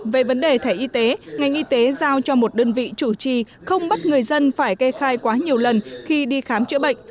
về vấn đề thẻ y tế ngành y tế giao cho một đơn vị chủ trì không bắt người dân phải gây khai quá nhiều lần khi đi khám chữa bệnh